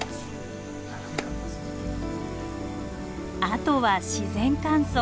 あとは自然乾燥。